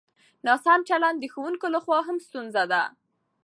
ناسم چلند د ښوونکو له خوا هم ستونزه ده.